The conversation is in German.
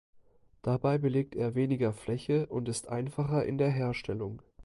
Dabei belegt er weniger Fläche und ist einfacher in der Herstellung.